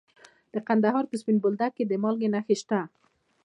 د کندهار په سپین بولدک کې د مالګې نښې شته.